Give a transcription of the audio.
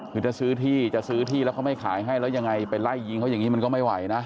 คือถ้าซื้อที่จะซื้อที่แล้วเขาไม่ขายให้แล้วยังไงไปไล่ยิงเขาอย่างนี้มันก็ไม่ไหวนะ